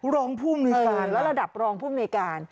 รองพุ่มไปในการระดับรองพุ่มไปในการ